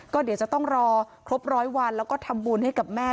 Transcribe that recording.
ก็เดี๋ยวจะต้องรอครบร้อยวันแล้วก็ทำบุญให้กับแม่